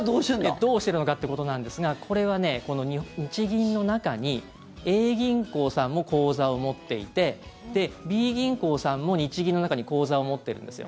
どうしてるのかってことなんですがこれは日銀の中にＡ銀行さんも口座を持っていてＢ銀行さんも日銀の中に口座を持ってるんですよ。